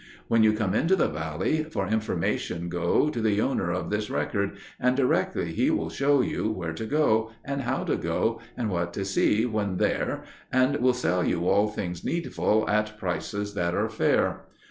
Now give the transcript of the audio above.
When you come into the Valley—for information go To the owner of this Record, and directly he will show You where to go, and how to go, and what to see when there And will sell you all things needful, at prices that are fair.